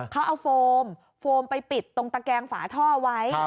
เขาเอาโฟมโฟมไปปิดตรงตะแกงฝาท่อไว้